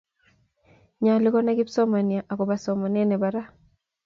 nyoluu konai kipsomanian akubo somnee nebo ra